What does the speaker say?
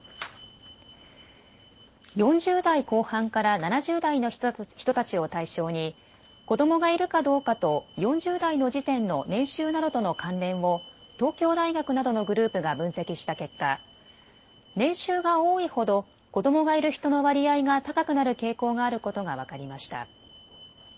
４０代後半から７０代の人たちを対象に子どもがいるかどうかと４０代の時点の年収などとの関連を東京大学などのグループが分析した結果、年収が多いほど子供がいる人の割合が高くなる傾向があることが分かりました。